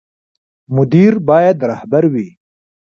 مدیر باید رهبر وي